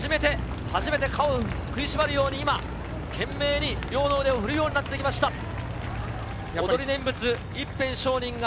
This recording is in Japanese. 初めて歯を食い縛るように今懸命に腕を振るようになってきました。